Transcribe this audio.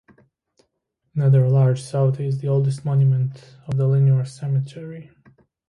Nether Largie South is the oldest monument of the linear cemetery.